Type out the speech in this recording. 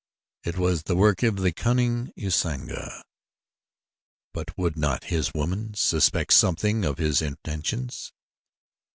It was the work of the cunning Usanga, but would not his woman suspect something of his intentions?